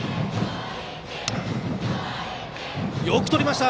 よくとりました！